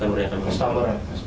oh iya kepada customer ya